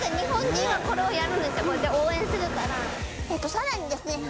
さらにですね